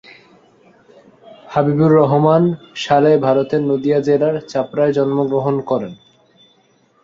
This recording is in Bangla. হাবিবুর রহমান সালে ভারতের নদিয়া জেলার চাপড়ায় জন্মগ্রহণ করেন।